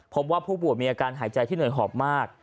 พบว่าผู้ป่วยมีอาการหายใจที่เหนื่อยหอบมาก